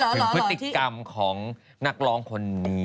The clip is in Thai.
ถึงพฤติกรรมของนักร้องคนนี้